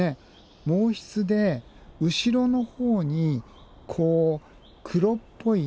毛筆で後ろのほうにこう黒っぽい。